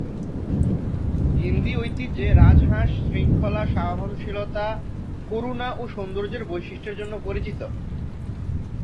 হিন্দি ঐতিহ্যে, রাজহাঁস, শৃঙ্খলা, সহনশীলতা, করুণা ও সৌন্দর্যের বৈশিষ্ট্যের জন্য পরিচিত।